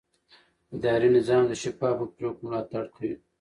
اداري نظام د شفافو پریکړو ملاتړ کوي.